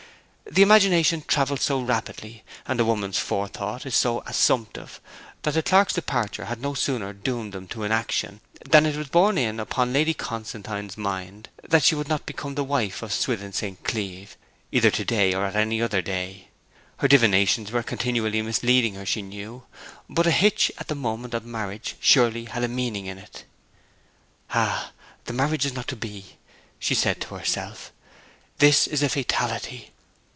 The imagination travels so rapidly, and a woman's forethought is so assumptive, that the clerk's departure had no sooner doomed them to inaction than it was borne in upon Lady Constantine's mind that she would not become the wife of Swithin St. Cleeve, either to day or on any other day. Her divinations were continually misleading her, she knew: but a hitch at the moment of marriage surely had a meaning in it. 'Ah, the marriage is not to be!' she said to herself. 'This is a fatality.'